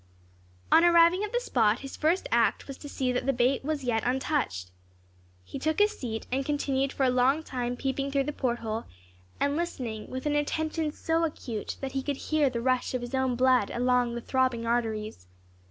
On arriving at the spot his first act was to see that the bait was yet untouched. He took his seat, and continued for a long time peeping through the port hole, and listening with an attention so acute that he could hear the rush of his own blood along the throbbing arteries.